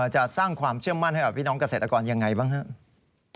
จะสร้างความเชื่อมั่นให้กับพี่น้องเกษตรกรยังไงบ้างครับ